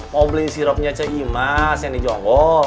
mau beli sirupnya ce imas yang di jonggol